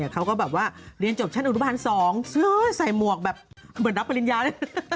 เขาก็แบบว่าเรียนจบชั้นอนุบาล๒เสื้อใส่หมวกแบบเหมือนรับปริญญาเลย